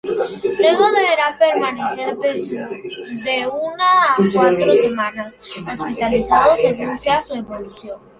Luego deberá permanecer de una a cuatro semanas hospitalizado, según sea su evolución.